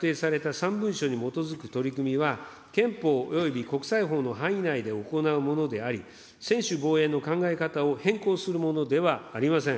３文書に基づく取り組みは、憲法および国際法の範囲内で行うものであり、専守防衛の考え方を変更するものではありません。